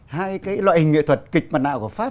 hai cái loại hình nghệ thuật kịch mặt nạ của pháp